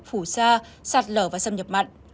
phù sa sạt lở và xâm nhập mặn